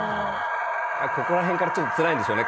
ここら辺からちょっとつらいんでしょうね